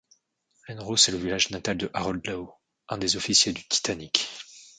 Llanrhos est le village natal de Harold Lowe, un des officiers du Titanic.